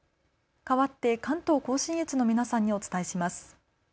かわって関東甲信越の皆さんにお伝えします。